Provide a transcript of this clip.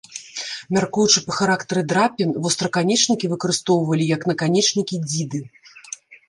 Мяркуючы па характары драпін, востраканечнікі выкарыстоўвалі як наканечнікі дзіды.